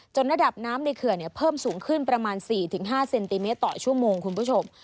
ระดับน้ำในเขื่อนเพิ่มสูงขึ้นประมาณ๔๕เซนติเมตรต่อชั่วโมงคุณผู้ชม